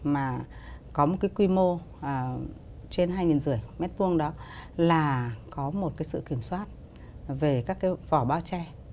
mà có một cái quy mô trên hai năm trăm linh m hai đó là có một cái sự kiểm soát về các cái vỏ bao che